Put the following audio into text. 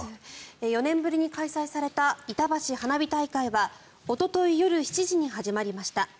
４年ぶりに開催されたいたばし花火大会はおととい夜７時に始まりました。